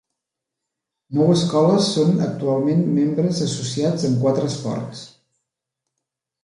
Nou escoles són actualment membres associats en quatre esports.